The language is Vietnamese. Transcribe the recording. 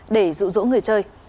để rủ rỗ người chơi